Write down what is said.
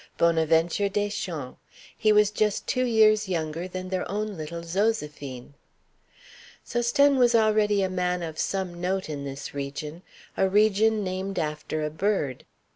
Bonaventure Deschamps: he was just two years younger than their own little Zoséphine. Sosthène was already a man of some note in this region, a region named after a bird.